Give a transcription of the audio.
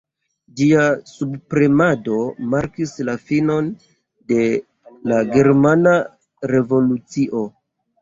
Ĝia subpremado markis la finon de la Germana Revolucio.